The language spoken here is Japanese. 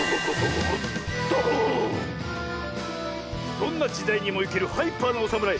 どんなじだいにもいけるハイパーなおさむらい